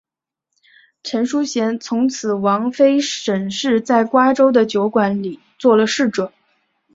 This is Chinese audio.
陈叔贤从此王妃沈氏在瓜州的酒馆里做了侍者。